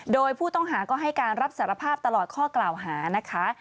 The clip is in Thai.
โดยผู้ต้องหาก็ให้การรับสารภาพตลอดข้อกล่าวหานะคะ